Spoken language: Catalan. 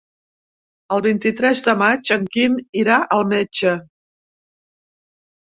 El vint-i-tres de maig en Quim irà al metge.